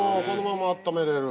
このままあっためれる。